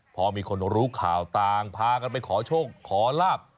พอมีคนรู้ข่าวต่างพากันไปขอโชคขอลาบ